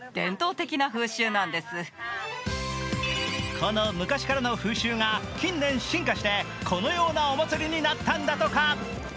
この昔からの風習が近年進化して、このようなお祭りになったんだとか。